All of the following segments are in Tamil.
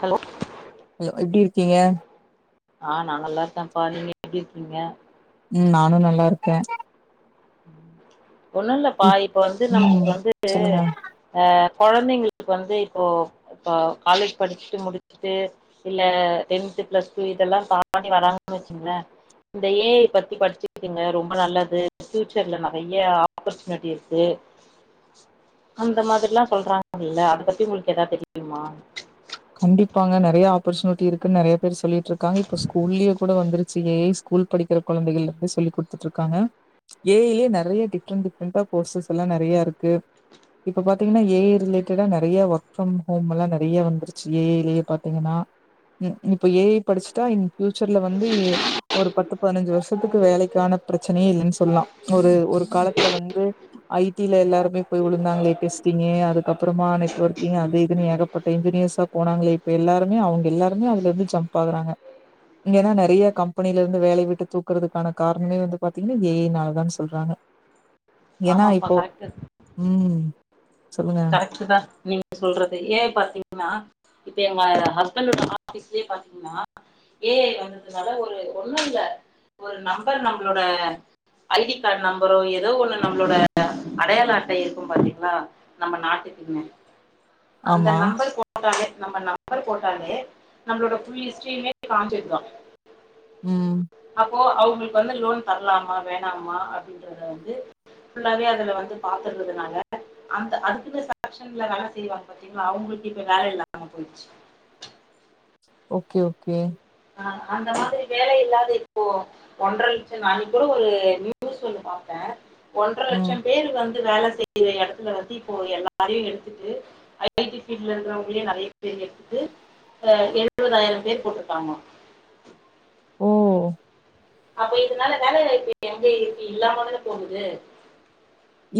ஹலோ அல்லோ எப்டி இருக்கீங்க ஆ நா நல்லா இருக்கே பா நீங்க எப்டி இருக்கீங்க ம் நானு நல்லா இருக்கே ஒன்னு இல்லப்பா இப் இப்ப வந்து ம் நமக்கு வந்துட்டு சொல்லுங்க அ கொழந்தெங்களுக்கு வந்து இப்போ இப்ப காலேஜ் படுச்சுட்டு முடுச்சுட்டு இல்ல டென்த் பிளஸ் டூ இதெல்லா தாண்டி வராங்கன்னு வெச்சுங்களே இந்த ஏ ஐ பத்தி படிச்சுக்குங்க ரொம்ப நல்லது ஃபியூச்சர்ல நறையா ஆப்பர்ச்சுனிட்டி இருக்கு அந்த மாதிரில்லா சொல்றாங்கல்ல அத பத்தி உங்களுக்கு எதாது தெரியுமா கண்டிப்பாங்க நறையா ஆப்பர்ச்சுனிட்டி இருக்குன்னு நறையா பேர் சொல்லிட்டு இருக்காங்க இப்ப ஸ்கூல்லியு கூட வந்துருச்சு ஏ ஐ கூல் படிக்கிற கொழந்தெகளுக்கு சொல்லி குடுத்துட்ருக்காங்க ஏ ஐ லயே நறையா டிஃப்ரெண்ட் டிஃப்ரெண்ட்டா கோர்சஸ் எல்லா நறையா இருக்கு இப்ப பாத்தீங்கன்னா ஏ ஐ ரிலேடட்டா நறையா வர்க் ஃப்ரம் ஹோம் எல்லா நறையா வந்துருச் சு ஏ ஐ லயே பாத்தீங்கன்னா இப்ப ஏ ஐ படிச்சுட்டா இன் ஃபியூச்சர்ல வந்து ஒரு பத்து பத்னஞ்சு வர்ஷத்துக்கு வேலைக்கான ப்ரச்சனையே இல்லன்னு சொல்லலா ஒரு ஒரு காலத்துல வந்து ஐ டி ல எல்லாருமே போய் விழுந்தாங்களே டெஸ்டிங்கு அதுக்கப்புறமா நெட்வொர்க்கிங் அது இதுனு ஏகப்பட்ட இன்ஜினியர்ஸ் போனாங்களே இப்ப எல்லாருமே அவுங்க எல்லாருமே அதுல இருந்து ஜம்ப் ஆகுறாங்க இங்க‌ஏனா நெறைய கம்பெனில இருந்து வேலைய விட்டு தூக்குறதுக்கான காரணமே வந்து பாத்தீங்கன்னா ஏ ஐ னால தான்னு சொல்றாங்க ஏன்னா ஆமாப்பா இப்போ ம் சொல்லுங்க கரெக்ட்டு தா நீங்க சொல்றது ஏன் பாத்தீங்கன்னா இப்ப எங்க ஹஸ்பண்டோட ஆஃபீஸ்லயே பாத்தீங்கன்னா ஏ ஐ வந்ததுனால ஒரு ஒண்ணு இல்ல ஒரு நம்பர் நம்பளோட ஐ டி கார்ட் நம்பரோ ஏதோ ஒண்ணு நம்மளோட அடையாள அட்ட இருக்கும் பாத்தீங்களா நம்ம நாட்டுக்குன்னு அந்த ஆமா நம்பர் போ போட்டாலே நம்ம நம்பர் போட்டாலே நம்பளோடஃ புல் ஹிஸ்ட்ரியுமே காமிச்சிருதா ம் அப்போ அவுங்களுக்கு வந்து லோன் தர்லாமா வேணாமா அப்டின்றத வந்து ஃபுல்லாவே அதுல வந்து பாத்ததுனால அந்த அதுக்கு சஷன்ல வேல செய்வாங்க பாத்தீங்களா அவுங்களுக்கு இப்ப வேல இல்லாம போயிச்சு ஓகே ஓகே ஆ அந்த மாதிரி வேல இல்லாது இப்போ ஒன்ற லட்ச நா அன்னைக் கூட ஒரு நியூஸ் ஒன்னு பாத்த ஒன்ற ம் லட்சம் பேர் வந் து வேல செய்ற எடத்துல வந்து இப்போ எல்லாரையு எடுத்துட்டு ஐ டி ஃபீல்டுல இருக்கறவங்களயே நெறைய பேர் எடுத்துட்டு ஆ எழுவதாயிரம் பேர் போட்ருக்காங்களா ஓ அப்ப இதனால வேலை வாய்ப்பு எங்க இருக்கு இல்லாம தான போகுது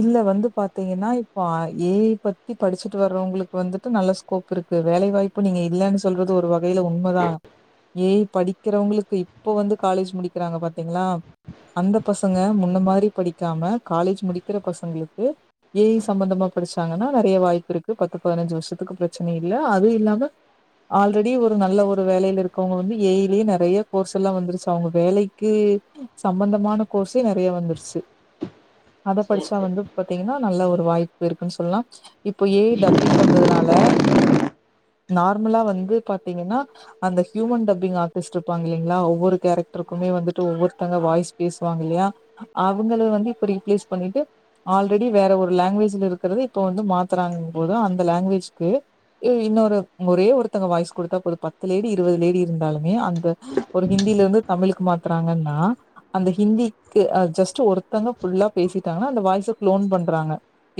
இல்ல வந்து பாத்தீங்கன்னா இப்ப ஏ ஐ பத்தி படிச்சுட்டு வர்றவங்களுக்கு வந்துட்டு நல்ல ஸ் கோப் இருக்கு வேலைவாய்ப்பு நீங்க இல்லன்னு சொல்றது ஒரு வகையில உண்மதா ஏ ஐ படிக்கிறவங்களுக்கு இப்ப வந்து காலேஜ் முடிக்கிறாங்க பாத்தீங்களா அந்த பசங்க முன்ன மாரி படிக்காம காலேஜ் முடிக்கிற பசங்களுக்கு ஏ ஐ சம்பந்தமா படிச்சாங்கன்னா நெறைய வாய்ப்பு இருக்கு பத்து பதினஞ்சு வருஷத்துக்கு பிரச்சன இல்ல அது இல்லாம ஆல்ரெடி ஒரு நல்ல ஒரு வேலையில இருக்கவங்க வந்து ஏ ஐலயே நெறைய கோர்ஸ் எல்லா வந்துருச்சு அவுங்க வேலை க்கு சம்பந்தமான கோர்ஸே நெறைய வந்துருச்சு அத சரி படிச்சா சரி வந்து பாத்தீங்கன்னா நல்ல ஒரு வாய்ப்பு இருக்குன்னு சொல்லா இப்ப ஏ ஐ டப்பிங் வந்ததுனால நார்மலா வந்து பாத்தீங்கன்னா அந்த ஹியூமன் டப்பிங் ஆர்டிஸ்ட் இருப்பாங்க இல்லிங்களா ஒவ்வொரு கேரக்டருக்குமே வந்துட்டு ஒவ்வொருத்தங்க ஆ, வாய்ஸ் பேசுவாங்க இல்லையா அவுங்கள வந்து இப்ப ரீப்ளேஸ் பண்ணிட்டு ஆல்ரெடி வேற ஒரு லாங்குவேஜ்ல இருக்கறது இப்ப வந்து மாத்துறாங்கங்கம் போது அந்த லாங்வேஜ்க்கு ஏ இன்னொரு ஒரே ஒருத்தங்க வாய்ஸ் குடுத்தா போது பத்து லேடி இருவது லேடி இருந்தாலுமே அந்த ஒரு ஹிந்திலேருந்து தமிழுக்கு மாத்துறாங்கன்னா அந்த ஹிந்திக்கு ஆ ஜஸ்ட்டு ஒருத்தங்க ஃபுல்லா பேசிட்டாங்கனா அந்த வாய்ஸ க்ளோன் பண்றாங்க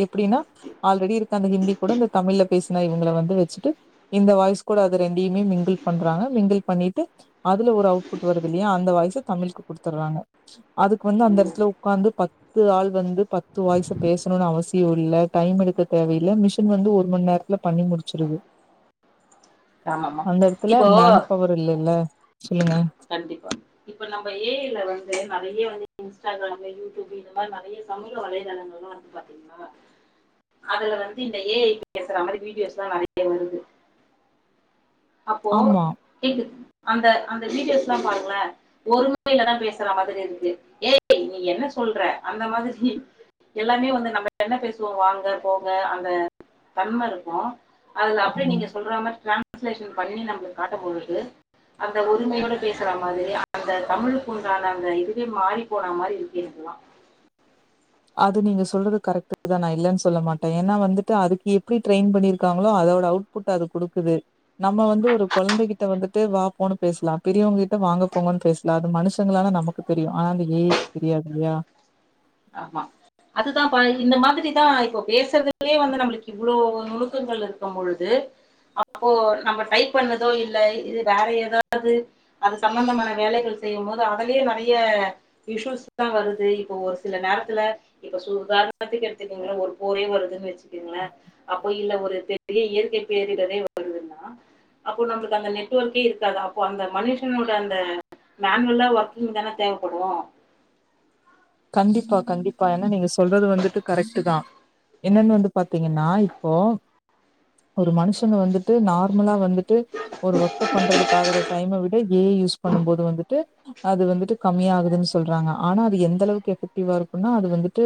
எப்டின்னா ஆல்ரெடி இருக்க அந்த ஹிந்தி கூட இந்த தமிழ்ல பேஸ்ன இவுங்கள வந்து வச்சுட்டு இந்த வாய்ஸ் கூட அத ரெண்டையுமே மிங்கிள் பண்றாங்க மிங்கிள் பண்ணிட்டு அதுல ஒரு அவுட்புட் வருது இல்லையா அந்த வாய்ஸ தமிழுக்கு குடுத்துறாங்க அதுக்கு வந்து அந்த ம், எடத்துல உக்காந்து பத் து ஆள் வந்து பத்து வாய்ஸ பேசணும்னு அவசியம் இல்ல டைம் எடுக்க தேவயில்ல மிஷின் வந்து ஒரு மண்நேரத்துல பண்ணி முடிச்சிருது ஆமாம்மா அந்த எடத்துல இப்போ மேன் பவர் இல்லேல்ல சொல்லுங்க கண்டிப்பா இப்ப நம்ம ஏ ஐல வந்து நெறைய வந்து இன்ஸ்டாகிராமு யூடியூப்பு இது மாரி நெறைய சமூக வலைதளங்கள்லா வந்து பாத்தீங்ளா அதுல வந்து இந்த ஏ ஐ பேசற மாரி வீடியோஸ்லா நறைய ஏ வருது அப்போ ஆமா அந்த அந்த வீடியோஸ்லா பாருங்ள ஒருமையிலதா பேசற மாதிரி இருக்கு ஏய் நீ என்ன சொல்ற அந்த மாதிரி எல்லாமே வந்து நம்ம என்ன பேசுவோ வாங்க போங்க அந்த தன்ம இருக்கு அதுல அப்டியே ம் நீங்க சொல்ற மாரி ட்ரான்ஸ்லேஷன் பண்ணி நம்ளுக் காட்டம்பொழுது அந்த ஒருமையோட பேசுற மாதிரி அந்த தமிழுக்குண்டான அந்த இதுவே மாறி போன மாரி இருக்கு இதெல்லா அது நீங்க சொல்றது கரெட் தா நா இல்லன் சொல்ல மாட்ட ஏனா வந்துட்டு அதுக்கு எப்டி ட்ரெயின் பண்ணிருக்காங்ளோ அதோட அவுட் புட் அது குடுக்குது நம்ம வந்து ஒரு கொழந்த கிட்ட வந்துட்டு வா போ ன்னு பேசலா பெரியவங்ககிட்ட வாங்க போங்கன் பேசலா அது மனுஷங்களான நமக் க்கு தெரியு ஆனா அந்த ஏ ஐக்கு தெரியாது இல்லயா ஆமா அதுதா பா இந்த மாதிரிதா இப்ப பேசறதுலயே வந்து நம்ளுக்கு இவ்ளோ நுணுக்கங்கள் இருக்கு இருக்கும் பொழுது அப்போ நம்ம டைப் பண்ணதோ இல்ல இது வேற ஏதாது அது சம்பந்தமான வேலைகள் செய்யும் போது அதவே நறைய விஷூவல்ஸ் தா வருது இப்போ ஒரு சில நேரத்துல இப்ப சு உதாரணத்துக்கு எடுத்துக்கங்ள ஒரு போரே வருதுன் வச்சு இருங்கள அப்போ இல்ல ஒரு பெரிய இயற்கை பேரிடறே வருதுன்னா அப்போ நம்ளுக்கு அந்த நெட்ஒர்க்கே இருக்காது அப்போ அந்த மனுஷனோட அந்த மேன்வல்லா ஒர்க்கிங் தான தேவப்படு கண்டிப்பா கண்டிப்பா ஏனா நீங்க சொல்றது வந்துட்டு கரெக்ட் தா என்னன் வந்து பாத்தீங்கன்னா இப்போ ஒரு மனுஷன வந்துட்டு நார்மலா வந்துட்டு ஒரு ஒர்க் பண்றதுக்கு ஆகற டைம விட ஏ ஐயூஸ் பண்ணும் போது வந்துட்டு அது வந்துட்டு கம்மியா ஆகுதுன் சொல்றாங்க ஆனா அது எந்த அளவுக்கு எஃபெக்டிவா இருக்குனா அது வந்துட்டு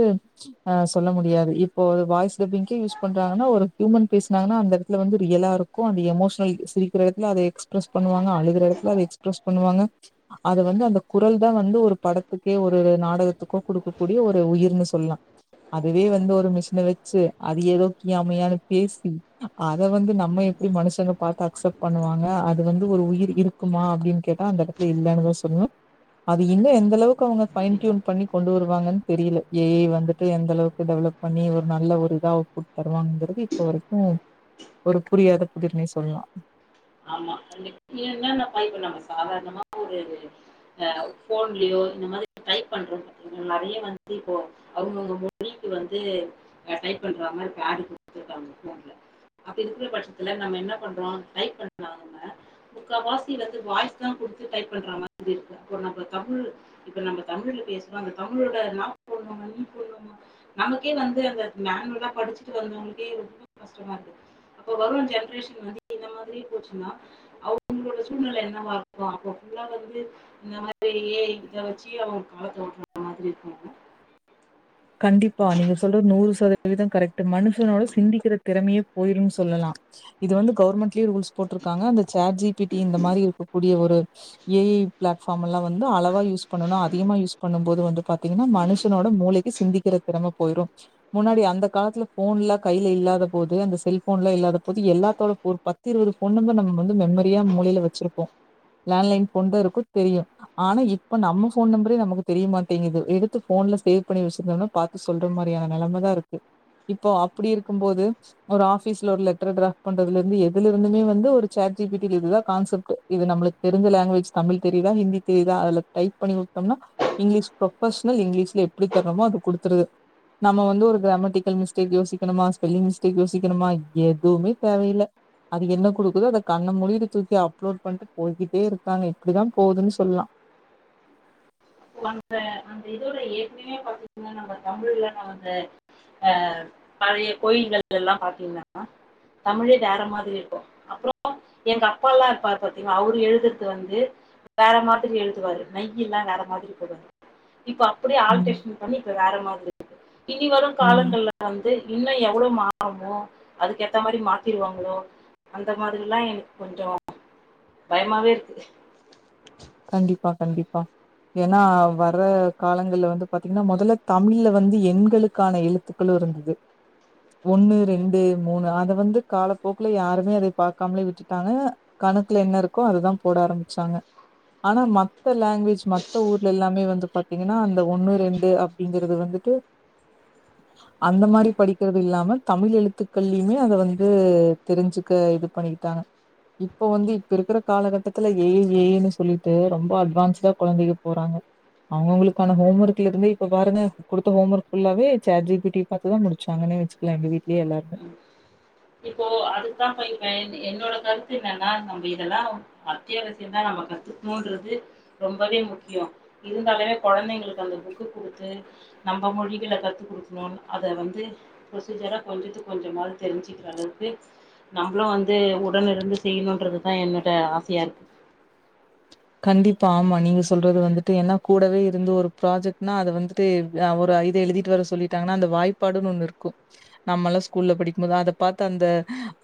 ஆ சொல்ல முடியாது இப்போ வாய்ஸ் டபிங்கே யூஸ் பண்றாங்கன்னா ஒரு ஹியூமன் பேசினாங்கன்னா அந்த இடத்துல வந்து ரியலா இருக்கு க்கு எமோஷனல் சிரிக்கிற எடத்துல அத எக்ஸ்பிரஸ் பண்ணுவாங்க அழுகற எடத்துல அத எக்ஸ்பிரஸ் பண்ணுவாங்க அது வந்து அந்த குரல் தா வந்து ஒரு படத்துக்கே ஒரு நாடகத் அதுக்கு குடுக்க கூடிய ஒரு உயிர்ன் சொல்லா அதுவே வந்து ஒரு மிஷின வச்சி அது ஏதோ கியாமுயான்னு பேசி அத வந்து நம்ம எப்டி மனுஷங்க பாத்து அக்செப்ட் பண்ணுவாங்க அது வந்து ஒரு உயிர் இருக் குமா அப்டின் கேட்டா அந்த எடத்துல இல்லன்தா சொல்லுவ அது இன்ன எந்த அளவுக் அவங்க பைன் கண்டிப்பா டியூன் பண்ணி கொண்டு வருவாங்கன் தெரில ஏய் ஐ வந்துட்டு எந்த அளவுக்கு டெவலப் பண்ணி ஒரு நல்ல ஒரு இதா குட் தருவாங்கறது அப்ப வரைக்கும் ஒரு புரியாத புதிர்னே சொல்லலா ஆமா கண்டிப் என்னன்ன இப்ப நம்ம சாதாரணமா ஒரு ல்ல ஃபோன்லயோ இந்த மாதிரி டைப் பண்றதுக் நறைய வந்து இப்போ அவுங்கவுங் மொழி இது வந்து நா டைப் பண்றா மாரி பேடு குடுத்துருக்காங்க ஃபோன்ல அப்டி இருக்குற பட்சத்துல நம்ம என்ன பண்றோ டைப் பண்ணாங்க முக்கா வாசி வந்து வாய்ஸ் தா குடுத்து டைப் பண்ற மாரி இருக்கு அப்பற நம்ம தமிழு இப்ப நம்ம தமிழ்ல பேசுற அந்த தமிழோட நா போட்னுமா நீ போட்னுமா நமக்கே வந்து அந்த மேன்வுலா படிச்சிட்டு வந்தவங்களுகே ரொம்ப கஷ்டமாருக்கு அப்ப வரும் ஜென்ரேஷன் இந்த மாரி போச்சின்னா அவங்களோட சூழ்நில என்னவா இருக்கு அப்போ புல்லா வந்து இந்த மாதிரி ஏ ஐ இத வச்சி அவங்க காலத்த ஓட்டுற மாதிரி இருப்பாங்க [inaudible] கண்டிப்பா நீங்க சொல்றது நூறு சதவீதம் கரெக்ட்டு மனுஷனோட சிந்திக்கிற திறமையே போயிரும் சொல்லலா இது வந்து கவர்மெண்ட்லயே ரூல்ஸ் போட்ருக்காங்க அந்த சேட் ஜி பி டி இந்த மாரி இருக்கக்கூடிய ஒரு ஏ ஐ பிளாட்பார்முல்ல வந்து அளவ் வா யூஸ் பண்ணணு அதிகமா யூஸ் பண்ணும் போது வந்து பாத்தீங்கன்னா மனுஷனோட மூளைக்கு சிந்திக்கிற திறம போயிரும் முன்னாடி அந்த காலத்துல ஃபோன்லா கையில இல்லாத போது அந்த செல்போன்லா இல்லாத போது எல்லாத்தோட பொ பத்து இருவது ஃபோன் நம்பர் நம்ம வந்து மெமரியா மூளையில வெச்சிருப்போ லேண்ட்லைன் கொண்டே இருக்கும் தெரியும் ஆனா இப் ப்ப நம்ம ஃபோன் நம்பரே நமக்கு தெரிய மாட்டேங்குது எடுத்து ஃபோன்ல சேவ் பண்ணி வெச்சிருந்தோனா பாத்து சொல்ற மாரியான நெலமதா இருக்கு இப்போ அப்படி இருக்கும் போது ஒரு ஆஃபிஸ்ல ஒரு லெட்டர் டிராஃப் பண்றதுல இருந்து எதுல இருந்துமே வந்து ஒரு சேட் ஜி பி டி ல இருந்துதா கான்செப்ட்டு இது நம்ப்ளுக் தெரிஞ்ச லாங்குவேஜ் தமிழ் தெரியுதா ஹிந்தி தெரியுதா அல்த் டைப் பண்ணி வுட்டோம்னா இங்கிலீஷ் ப்ரொபஷனல் இங்கிலீஷ்ல எப்டி தரணுமோ அது குடுத்துருது நம்ம வந்து ஒரு கிராமட்டிக்கல் மிஸ்டேக் யோசிக்கணுமா ஸ்பெல்லிங் மிஸ்டேக் யோசிக்கணுமா எதுவுமே தேவையில்ல அது என்ன குடுக்குதோ அத கண்ண மூடிக்கிட்டு தூக்கி அப்லோட் பண்ட்டு போய்கிட்டே இருக்காங்க இப்டிதா போதுன் சொல்லா அந்த அந்த இதோட ஏற்கனவே பாத்தீங்கன்னா நம்ப தமிழ்லனா வந்து அ பழைய கோயில்கள் எல்லாம் பாத்தீங்க [inaudible] னா தமிழே வேற மாதிரி இருக்கும் அப்புறோ எங்கப்பால்லா இருப்பார் பாத்தீங்க அவுரு எழுதுற்து வந்து வேற மாதிரி எழுதுவாரு நையீல்லா வேற மாரி எழுதுவாரு இப்ப அப்டியே ம் ஆல்டேஷன் பண்ணி இப்ப வேற மாதிரி இருக்கு இனி வரு ம் காலங்கள்ல வந்து இன்னு எவ்ளோ மாறுமோ அதுக்கேத்த மாரி மாத்திருவாங்ளோ அந்த மாதிரியில்லா எனக் கொஞ்சோ பயமாவே இர்க்கு கண்டிப்பா கண்டிப்பா ஏன்னா ம், வர்ற காலங்கள்ல வந்து பாத்தீங்ன்னா மொதல்ல தமிழ்ல வந்து எண்களுக்கான எழுத்துக்களு இருந்தது ஒண்ணு ரெண்டு மூணு அத வந்து காலப்போக்குல யாருமே அத பாக்காம்லே விட்டுட்டாங்க கணக்குல என்ன இருக்கோ அதுதா போட ஆரம்பிச்சாங்க ஆனா மத்த லாங்வேஜ் மத்த ஊர்லல்லாமே வந்து பாத்தீங்கன்னா அந்த ஒண்ணு ரெண்டு அப்டிங்கறது வந்துட்டு [inaudible] அந்த மாரி படிக்கிறதுல்லாம தமிழ் எழுத்துக்கள்யுமே அத வந்து தெரிஞ்சுக்க இது பண்ணிக்கிட்டாங்க இப்ப வந்து இப்ப இருக்கற காலகட்டத்துல ஏ ஏன்னு சொல்லிட்டு ரொம்ப அட்வான்ஸ்டா கொழந்தைக போறாங்க அவுங்கவுங்ளுக்கான ஹோம் ஒர்க்லருந்தே இப்ப பாருங்க குடுத்த ஹோம் ஒர்க் ஃபுல்லாவே சேட் ஜி பி டி பாத்துதா முடிச்சாங்களே வச்சுக்லா எங்க வீட்லே எல்லாருமே ம். இப்போ அதுக்தா இப்ப இ என்னோட கருத்து இன்னனா நம்பி இதெல்லா அத்தியாவசியம்தா நம்ம கத்துக்னூன்றது ரொம்பவே முக்கியோ இருந்தாலவே கொழந்தைங்களுக்கு அந்த புக்கு குடுத்து நம்ம மொழிகள கத்து குடுக்குனு அத வந்து ப்ரொசீஜரா கொஞ்சுத்து கொஞ்சமாது தெரிஞ் சிக்குற அளவுக்கு நாம்ப்ளும் வந்து உடனிருந்து செய்யணுன்றதுதா என்னோட ஆசயாருக்கு கண்டிப்பா ஆமா நீங்க சொல்றது வந்துட்டு ஏன்னா கூடவே இருந்து ஒரு ப்ராஜெக்ட்னா அத வந்து ட்டு ஒரு இத எழுதிட்டு வர சொல்லிட்டாங்கன்னா அந்தவாய்ப்பாடுன் ஒன்னுருக்கோ நம்மள்லா ஸ்கூல்ல படிக்குபோது அத பாத்து அந்த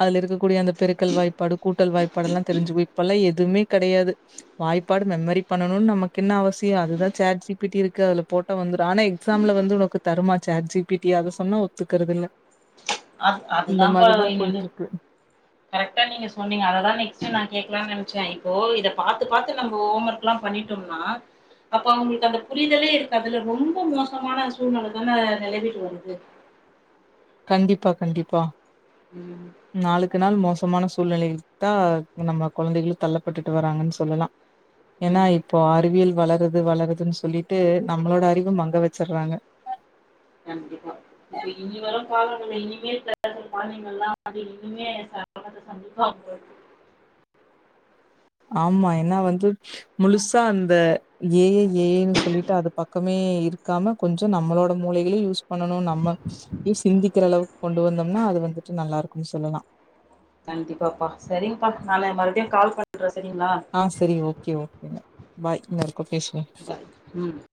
அதுல இருக்கக்கூடிய அந்த பெருக்கல் வாய்ப்பாடு கூட்டல் வாய்ப் பாடுல்லா தெரிஞ்சுக்வோ இப்பெல்லா எதுவ்மே கெடயாது வாய்ப்பாடு மெமரி பண்ணணுனு நமக்கு என்ன அவசியோ அதுதா சேட் ஜி பி டி இருக்கு அதுல போட்டா வந்துரு ஆனா எக்ஸாம்ல வந்து உனக்கு தருமா சார் ஜி பி டி அத சொன்னா ஒத்துக்கற்தில்ல அத் அதுதாம்பா இன்னொன்னு கரெக்டா நீங்க சொன்னீங்க அததா நெக்ஸ்ட்டு நா கேட்லான் நெனச்ச இப்போ இத பாத்து பாத்து நம்ப ஹோம் ஒர்க் லாம் பண்ணிட்டோம்னா அப்ப அவுங்களுக்கு அந்த புரிதலே இருக்காதுல ரொம்ப மோசமான சூழ்நெலதான நெலவிட்டு வருது கண்டிப்பா கண்டிப்பா ம் நாளுக்கு நாள் மோசமான சூழ்நிலைக் தா நம்ம கொழந்தைகளு தள்ளப்பட்டுட்டு வராங்கன் சொல்லலா ஏனா ம் இப்போ அறிவியல் வளருது வளருதுன் சொல்லிட்டு நம்மளோட அறிவ மங்க வச்சர்றாங்க கண்டிப்பா இப்ப இனி வரும் காலங்கள்ள இனிமே [unintelligible] இனிமே [unintelligible] கண்டிப்பா ஆமா என்னா வந்து முழுசா அந்த ஏ ஐ ஏ ஐனு சொல்லிட்டு அது பக்கமே இருக்காம கொஞ்சோ நம்மளோட மூளைகலே யூஸ் பண்ணணு நம்ம சிந்திக்கிற அளவுக்கு கொண்டு வந்தம்னா அது வந்துட்டு நல்லாருக்குன் சொல்லலா கண்டிப்பாப்பா சரிங்கப்பா நாள மறுபடியு கால் பண்ற சரிங்களா ஆ சரி ஓகே ஓகேங்க பாய் இன்னொருக்கா பேசுவோ ம்